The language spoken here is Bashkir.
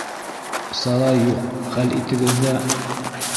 Сара юҡ, хәл итегеҙ ҙә.